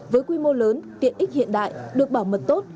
với quy mô lớn tiện ích hiện đại được bảo mật tốt